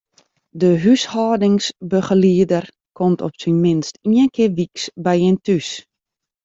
De húshâldingsbegelieder komt op syn minst ien kear wyks by jin thús.